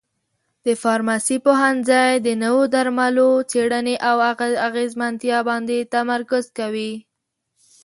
د فارمسي پوهنځی د نوو درملو څېړنې او اغیزمنتیا باندې تمرکز کوي.